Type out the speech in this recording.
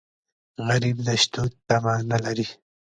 غریب د شتو تمه نه لري